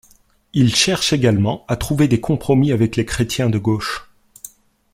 Il cherche également à trouver des compromis avec les chrétiens de gauche.